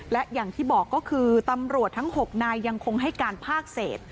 และอย่างที่บอกก็คือตำรวจทั้ง๖นายยังคงให้การภาคเศษ